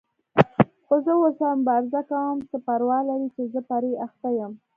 خو زه ورسره مبارزه کوم، څه پروا لري چې زه پرې اخته یم.